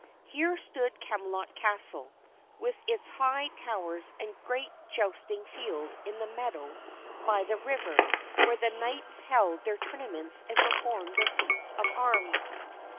Here stood Camelot Castle, with its high towers and great jousting field in the meadow by the river, where the knights held their tournaments and performed their feats of arms.